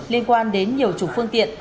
liên quan đến nhiều chủ phương tiện